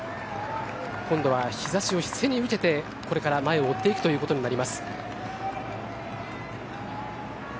今度は日差しを背に受けてこれから前を追っていくということになります。